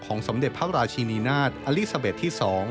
สมเด็จพระราชินีนาฏอลิซาเบสที่๒